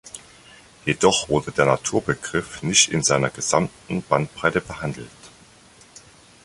Jedoch wurde der Naturbegriff nicht in seiner gesamten Bandbreite behandelt.